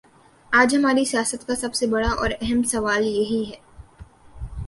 آج ہماری سیاست کا سب سے بڑا اور اہم سوال یہی ہے؟